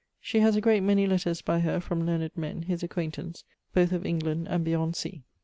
She has a great many letters by her from learned men, his acquaintance, both of England and beyond sea.